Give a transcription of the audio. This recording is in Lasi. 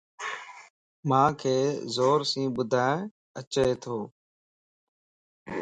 مانک زورسين ٻڌن اچيتو